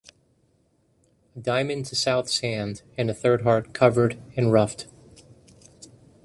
A diamond to South's hand, and a third heart covered and ruffed.